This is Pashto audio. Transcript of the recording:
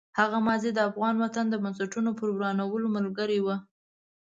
هغه ماضي د افغان وطن د بنسټونو په ورانولو ملګرې وه.